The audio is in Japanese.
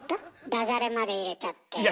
ダジャレまで入れちゃって。